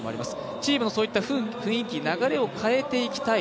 チームのそういった雰囲気、流れを変えていきたい。